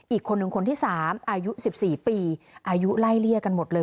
อีกคนหนึ่งคนที่๓อายุ๑๔ปีอายุไล่เลี่ยกันหมดเลย